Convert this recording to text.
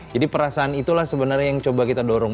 jadi perasaan itulah sebenarnya yang coba kita dorong